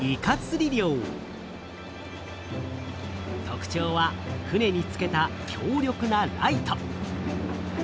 特ちょうは船に付けた強力なライト。